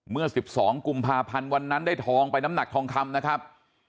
เมื่อ๑๒กุมภาพันธ์วันนั้นได้ทองไปน้ำหนักทองคำนะครับ